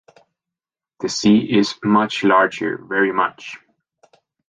The sea is much larger, very much!